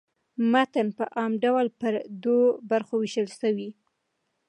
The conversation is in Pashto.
متن په عام ډول پر دوو برخو وېشل سوی.